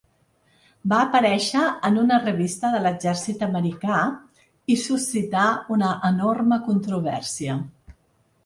Va aparèixer en una revista de l’exèrcit americà i suscità una enorme controvèrsia.